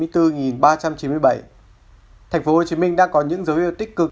tp hcm đang có những dấu hiệu tích cực